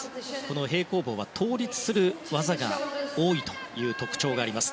平行棒は倒立する技が多いという特徴があります。